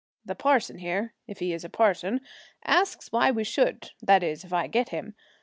The parson here if he is a parson asks why we should; that is, if I get him.